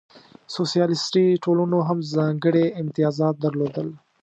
سوسیالیستي ټولنو هم ځانګړې امتیازات درلودل.